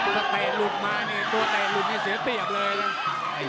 ก็แต่ลุดมาเนี่ยตัวแต่ลุดให้เสียเปรียบเลยนะ